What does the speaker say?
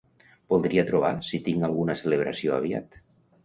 Voldria trobar si tinc alguna celebració aviat.